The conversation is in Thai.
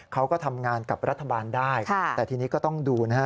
เขาก็ทำงานกับรัฐบาลได้แต่ทีนี้ก็ต้องดูนะฮะ